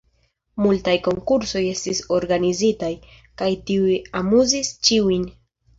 Multaj konkursoj estis organizitaj, kaj tiuj amuzis ĉiujn.